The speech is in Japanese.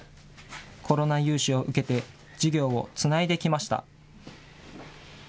コロナ融資を受けて、事業をつないできました。